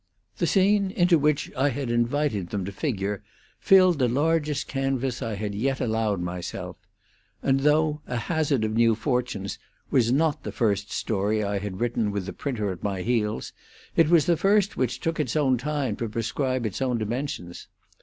The scene into which I had invited them to figure filled the largest canvas I had yet allowed myself; and, though 'A Hazard of New Fortunes was not the first story I had written with the printer at my heels, it was the first which took its own time to prescribe its own dimensions.